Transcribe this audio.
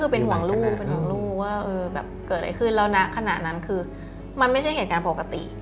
เป็นห่วงลูกเป็นห่วงลูกว่าเกิดอะไรขึ้นแล้วนะขณะนั้นคือมันไม่ใช่เหตุการณ์ปกติ